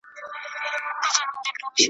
چي هر څه مي وي آرزو ناز مي چلیږي `